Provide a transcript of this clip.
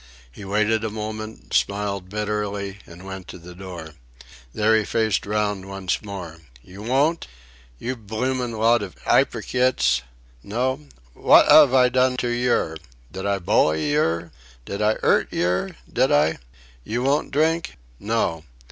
He waited a moment, smiled bitterly, and went to the door. There he faced round once more. "You won't? You bloomin' lot of yrpocrits. No? What 'ave I done to yer? Did I bully yer? Did I 'urt yer? Did I?... You won't drink?... No!...